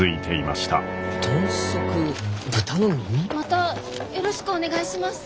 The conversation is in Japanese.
またよろしくお願いします。